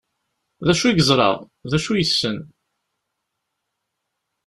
D acu i yeẓra? D acu yessen?